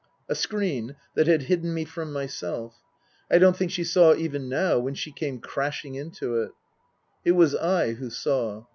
A screen that had hidden me from myself. I don't think she saw even now when she came crashing into it. It was I who saw.